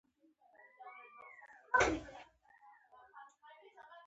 د مالدارۍ سم مدیریت د شتمنۍ راز دی.